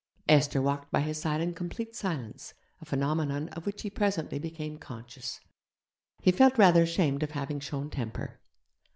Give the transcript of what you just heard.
Esther walked by his side in complete silence, a phenomenon of which he presently became conscious. He felt rather ashamed of having shown temper.